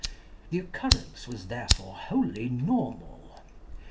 The occurrence was therefore wholly normal.